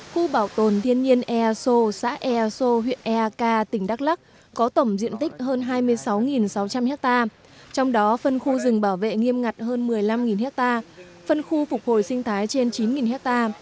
khu bảo tồn thiên nhiên easo xã easo huyện ek tỉnh đắk lắc có tổng diện tích hơn hai mươi sáu sáu trăm linh ha trong đó phân khu rừng bảo vệ nghiêm ngặt hơn một mươi năm ha phân khu phục hồi sinh thái trên chín ha